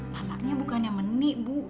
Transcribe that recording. namanya bukan yang menik bu